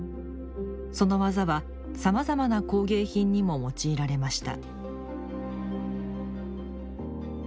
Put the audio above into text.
その技はさまざまな工芸品にも用いられました